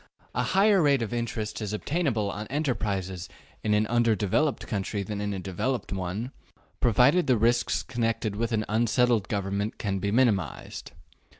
A higher rate of interest is obtainable on enterprises in an undeveloped country than in a developed one, provided the risks connected with an unsettled government can be minimized.